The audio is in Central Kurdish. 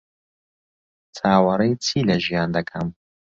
چاوەڕێی چی لە ژیان دەکەم؟